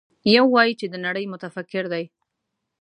يو وايي چې د نړۍ متفکر دی.